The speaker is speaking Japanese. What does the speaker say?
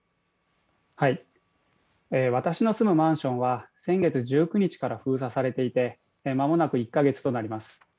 私の住むマンションは先月１９日から封鎖されていて間もなく１カ月となります。